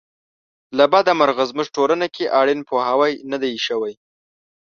له بده مرغه زموږ ټولنه کې اړین پوهاوی نه دی شوی.